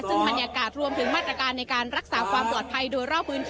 ซึ่งบรรยากาศรวมถึงหมัดปัจจุในการรักษาความปลอดภัย